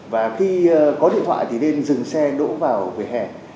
và khi có điện thoại thì nên dừng xe đỗ vào về hẻ